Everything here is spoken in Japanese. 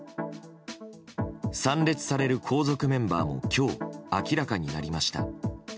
参列される皇族メンバーも今日明らかになりました。